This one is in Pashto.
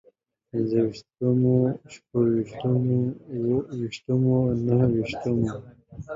پنځه ويشتمو، شپږ ويشتمو، اووه ويشتمو، نهه ويشتمو